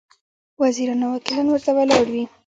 وزیران او وکیلان ورته ولاړ وي.